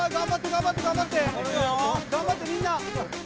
頑張ってみんな！